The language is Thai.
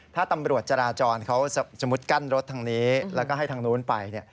ถ้าตำรวจจราจรเขาสมมุติกั้นรถทางนี้แล้วก็ให้ทางนู้นไปเนี่ย